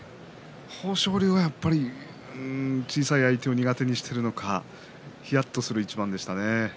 豊昇龍は、やっぱり小さい相手を苦手にしているのか、ひやっとする一番でしたね。